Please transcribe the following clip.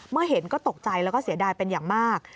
เมื่อเห็นก็ตกใจแล้วก็เสียดายเป็นอย่างมาก